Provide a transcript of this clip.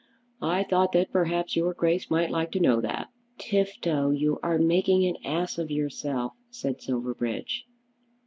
I thought that perhaps your Grace might like to know that." "Tifto, you are making an ass of yourself," said Silverbridge.